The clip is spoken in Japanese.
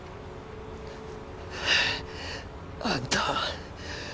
あんたは